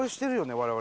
我々。